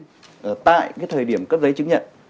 không phải là tại cái thời điểm cấp giấy chứng nhận